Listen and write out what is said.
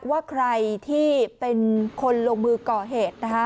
ว่าใครที่เป็นคนลงมือก่อเหตุนะคะ